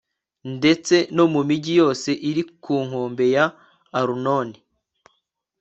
ndetse no mu migi yose iri ku nkombe ya arunoni